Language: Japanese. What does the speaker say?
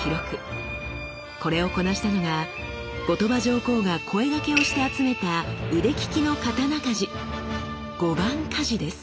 これをこなしたのが後鳥羽上皇が声掛けをして集めた腕利きの刀鍛冶「御番鍛冶」です。